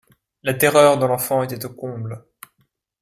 La terreur de l’enfant était au comble.